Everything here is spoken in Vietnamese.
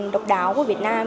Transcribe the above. độc đáo của việt nam